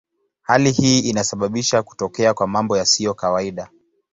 Hali hii inasababisha kutokea kwa mambo yasiyo kawaida.